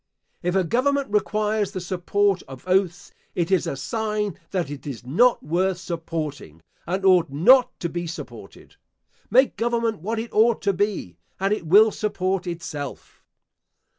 If a government requires the support of oaths, it is a sign that it is not worth supporting, and ought not to be supported. Make government what it ought to be, and it will support itself.